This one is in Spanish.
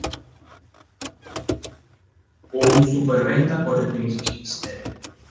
Un superventa, por definición, es estéril